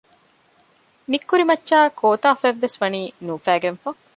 ނިތްކުރި މައްޗާއި ކޯތަފަތްވެސް ވަނީ ނޫފައިގަންފަ